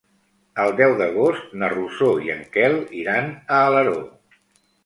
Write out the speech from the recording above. El deu d'agost na Rosó i en Quel iran a Alaró.